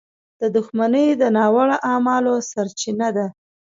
• دښمني د ناوړه اعمالو سرچینه ده.